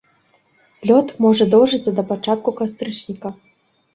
Лёт можа доўжыцца да пачатку кастрычніка.